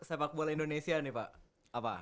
sepak bola indonesia nih pak apa